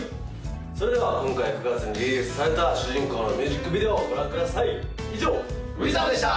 それでは今回９月にリリースされた「主人公」のミュージックビデオをご覧ください以上ＷＩＴＨＤＯＭでした！